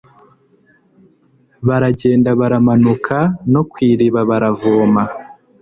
baragenda baramanuka no ku iriba baravoma